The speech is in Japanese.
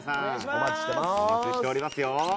お待ちしていますよ。